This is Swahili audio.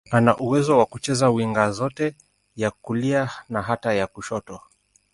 Ana uwezo wa kucheza winga zote, ya kulia na hata ya kushoto.